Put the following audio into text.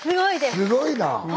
すごいな。